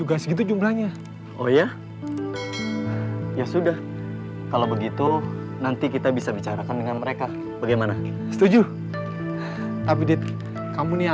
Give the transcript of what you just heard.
aku tidak pernah memikirkan keamanan milikmu